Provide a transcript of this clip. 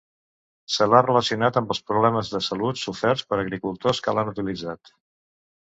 Se l'ha relacionat amb els problemes de salut soferts pels agricultors que l'han utilitzat.